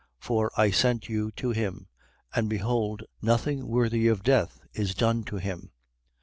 For, I sent you to him: and behold, nothing worthy of death is done to him.